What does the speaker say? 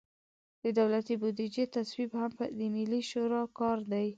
د دولتي بودیجې تصویب هم د ملي شورا کار دی.